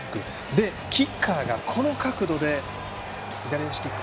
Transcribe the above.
で、キッカーがこの角度で左足のキック。